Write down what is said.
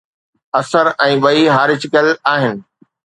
اثر ۽ ٻئي hierarchical آهن.